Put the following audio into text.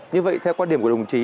như vậy theo quan điểm của đồng chí